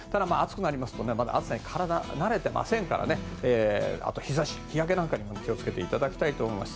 ただ暑さに体は慣れてませんから日差し、日焼けなんかにも気をつけていただきたいと思います。